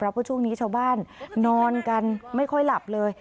เพราะช่วงนี้ชาวบ้านนอนกันไม่ค่อยหลับเลย